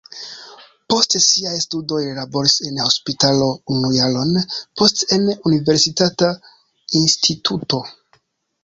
Post siaj studoj li laboris en hospitalo unu jaron, poste en universitata instituto.